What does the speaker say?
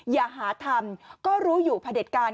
อย่าหาทำก็รู้อยู่พระเด็จการ